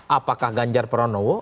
apakah ganjar pranowo